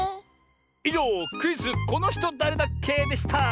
いじょうクイズ「このひとだれだっけ？」でした！